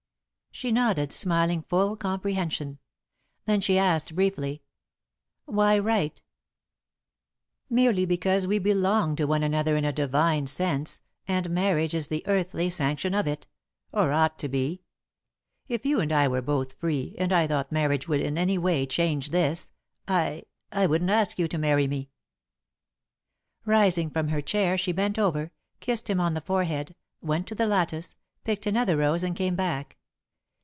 She nodded, smiling full comprehension. Then she asked, briefly: "Why write?" "Merely because we belong to one another in a divine sense, and marriage is the earthly sanction of it or ought to be. If you and I were both free, and I thought marriage would in any way change this, I I wouldn't ask you to marry me." [Sidenote: The Shadow Rose] Rising from her chair, she bent over, kissed him on the forehead, went to the lattice, picked another rose, and came back.